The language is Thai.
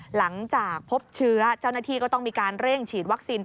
หลังจากพบเชื้อเจ้าหน้าที่ก็ต้องมีการเร่งฉีดวัคซีน